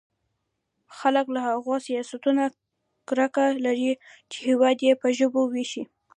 خلک له هغو سیاستونو کرکه لري چې هېواد يې په ژبو وېشي.